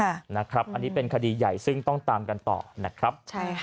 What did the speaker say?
อันนี้เป็นคดีใหญ่ซึ่งต้องตามกันต่อนะครับ